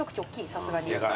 さすがに。